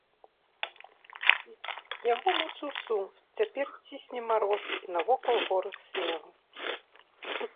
Яго мучыў сум, што цяпер цісне мароз і навокал горы снегу.